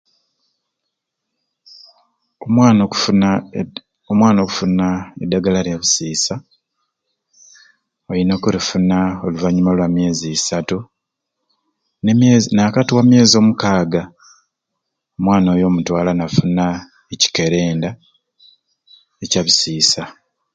Omwana okufuna etu omwana okufuna eddagala lya bisiisa alina okulifuna oluvanyuma lwa myezi isatu n'emyezi n'akati wa myezi omukaaga omwana oyo omutwala n'afuna ekikerenda ekya bisiisa.